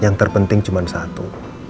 yang terpenting cuma satu